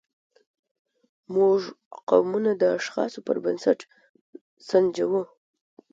موږ قومونه د اشخاصو پر بنسټ سنجوو.